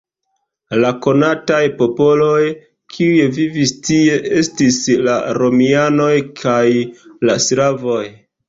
La konataj popoloj, kiuj vivis tie, estis la romianoj kaj la slavoj.